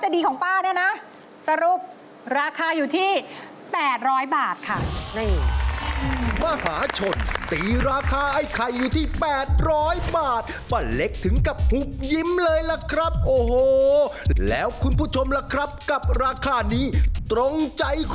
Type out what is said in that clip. ต้องกลับว่าเราเห็นกันหลายราคาเนอะ